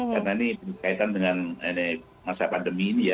karena ini berkaitan dengan masa pandemi ini